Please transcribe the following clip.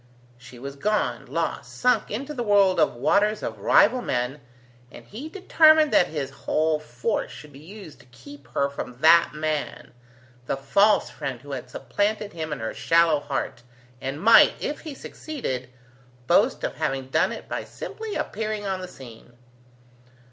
She was gone, lost, sunk into the world of waters of rival men, and he determined that his whole force should be used to keep her from that man, the false friend who had supplanted him in her shallow heart, and might, if he succeeded, boast of having done it by simply appearing on the scene.